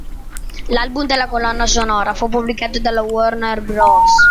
L'album della colonna sonora fu pubblicato dalla Warner Bros.